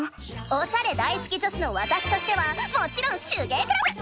おしゃれ大好き女子のわたしとしてはもちろん手芸クラブ！